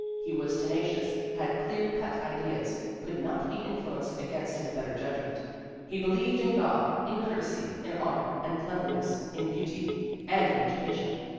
He was tenacious, had clear cut ideas, could not be influenced against his better judgment. "He believed in God, in courtesy, in honor, and cleanliness, in beauty, and in education.